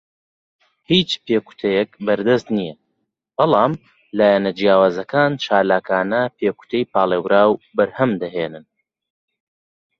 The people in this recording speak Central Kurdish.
هیچ پێکوتەیەک بەردەست نییە، بەڵام لایەنە جیاوازەکان چالاکانە پێکوتەی پاڵێوراو بەرهەم دەهێنن.